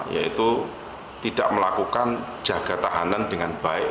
yaitu tidak melakukan jaga tahanan dengan baik